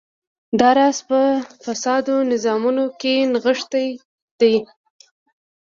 دا راز په فاسدو نظامونو کې نغښتی دی.